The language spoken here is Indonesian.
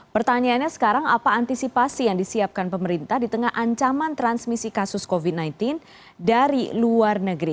pertanyaannya sekarang apa antisipasi yang disiapkan pemerintah di tengah ancaman transmisi kasus covid sembilan belas dari luar negeri